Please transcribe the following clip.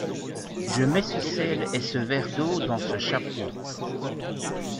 Je mets ce sel et ce verre d’eau dans ce chapeau.